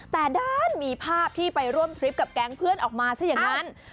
แต่ด้านมีภาพที่ไปร่วมทริปกับแก๊งเพื่อนออกมาซะอย่างนั้น